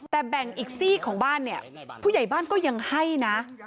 แต่แบ่งอีกซีกของบ้านเนี่ยผู้ใหญ่บ้านก็ยังให้นะ